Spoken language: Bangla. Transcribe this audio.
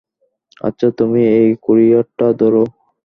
আচ্ছা, তুমি এই কুরিয়ারটা ধরো।